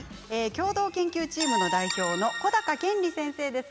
共同研究チームの代表の小鷹研理先生です。